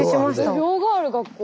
土俵がある学校？